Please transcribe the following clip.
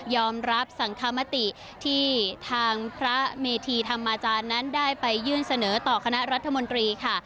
อมรับสังคมติที่ทางพระเมธีธรรมาจารย์นั้นได้ไปยื่นเสนอต่อคณะรัฐมนตรีค่ะ